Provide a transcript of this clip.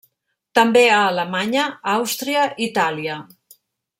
També a Alemanya, Àustria, Itàlia.